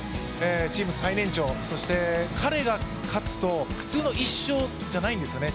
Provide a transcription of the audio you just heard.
チーム最年長、彼が勝つと普通の１勝じゃないんですよね。